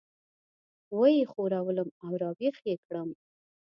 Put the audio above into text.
وه یې ښورولم او راويښ یې کړم.